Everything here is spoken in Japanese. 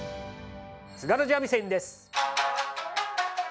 津軽三味線です。